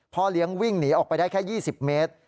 เลี้ยงวิ่งหนีออกไปได้แค่๒๐เมตร